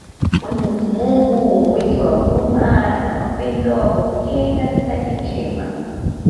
Mwenyezi Mungu mwingi wa huruma na mapendo apokee kazi zake njema